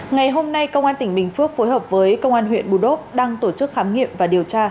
ngày hôm nay công an tỉnh bình phước phối hợp với công an huyện bù đốp đang tổ chức khám nghiệm và điều tra